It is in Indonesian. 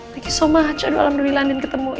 thank you so much alhamdulillah andin ketemu